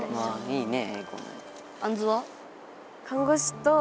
いいね。